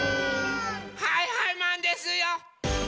はいはいマンですよ！